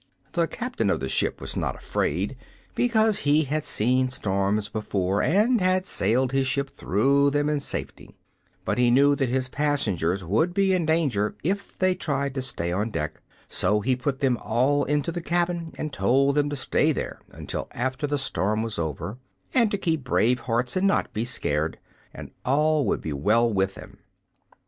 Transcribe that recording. The Captain of the ship was not afraid, because he had seen storms before, and had sailed his ship through them in safety; but he knew that his passengers would be in danger if they tried to stay on deck, so he put them all into the cabin and told them to stay there until after the storm was over, and to keep brave hearts and not be scared, and all would be well with them.